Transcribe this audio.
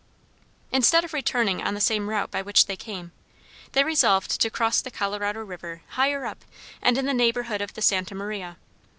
Instead of returning on the same route by which they came, they resolved to cross the Colorado river higher up and in the neighborhood of the Santa Maria.